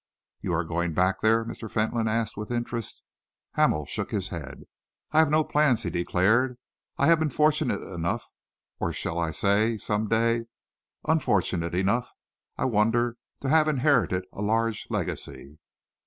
"You are going back there?" Mr. Fentolin asked, with interest. Hamel shook his head. "I have no plans," he declared. "I have been fortunate enough, or shall I some day say unfortunate enough, I wonder, to have inherited a large legacy."